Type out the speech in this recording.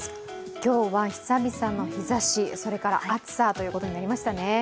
今日は久々の日ざし、それから暑さということになりましたね。